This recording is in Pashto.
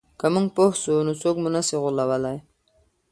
که موږ پوه سو نو څوک مو نه سي غولولای.